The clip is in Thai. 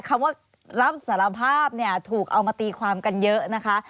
คำว่ารับสารภาพเนี่ยถูกเอามาตีความกันเยอะนะคะ